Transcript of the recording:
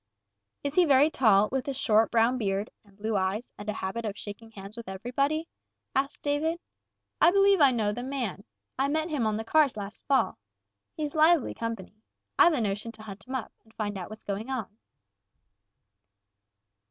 "Is he very tall, with a short, brown beard, and blue eyes, and a habit of shaking hands with everybody?" asked David. "I believe I know the man. I met him on the cars last fall. He's lively company. I've a notion to hunt him up, and find what's going on."